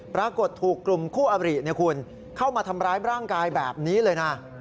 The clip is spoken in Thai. ปรากฏถูกกลุ่มคู่อบริคุณเข้ามาทำร้ายร่างกายแบบนี้เลยนะ